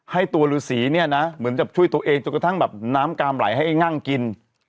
ให้ตัวฤษีเนี่ยนะเหมือนกับช่วยตัวเองจนกระทั่งแบบน้ำกามไหลให้ไอ้งั่งกิน